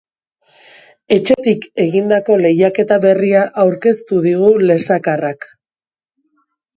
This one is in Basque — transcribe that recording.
Etxetik egindako lehiaketa berria aurkeztu digu lesakarrak.